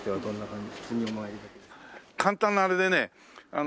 簡単なあれでねあの。